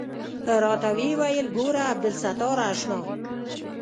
راته ويې ويل ګوره عبدالستاره اشنا.